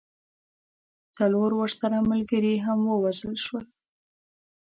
څلور ورسره ملګري هم ووژل سول.